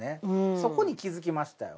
そこに気付きましたよ。